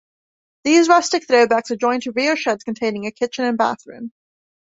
These rustic throwbacks adjoin to rear sheds containing a kitchen and bathroom.